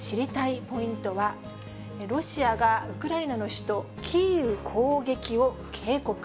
ッポイントはロシアが、ウクライナの首都キーウ攻撃を警告。